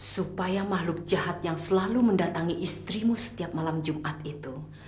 supaya makhluk jahat yang selalu mendatangi istrimu setiap malam jumat itu